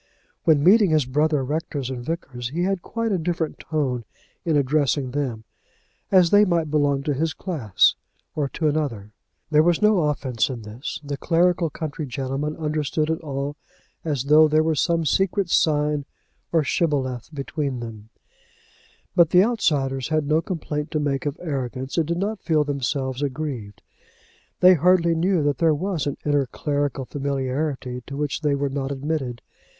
When meeting his brother rectors and vicars, he had quite a different tone in addressing them, as they might belong to his class, or to another. There was no offence in this. The clerical country gentlemen understood it all as though there were some secret sign or shibboleth between them; but the outsiders had no complaint to make of arrogance, and did not feel themselves aggrieved. They hardly knew that there was an inner clerical familiarity to which they were not admitted.